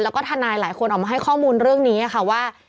แล้วก็ทนายหลายคนออกมาให้ข้อมูลเรื่องนี้ค่ะว่า